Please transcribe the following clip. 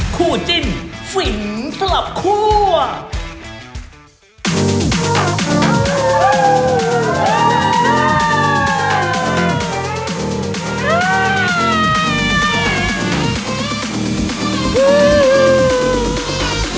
คู่จิ้นฝิ่นสำหรับครัว